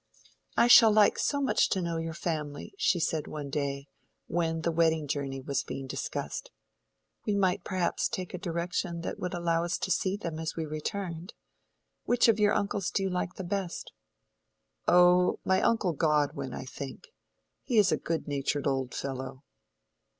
"I shall like so much to know your family," she said one day, when the wedding journey was being discussed. "We might perhaps take a direction that would allow us to see them as we returned. Which of your uncles do you like best?" "Oh,—my uncle Godwin, I think. He is a good natured old fellow."